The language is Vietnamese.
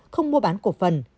không mua bán cổ phần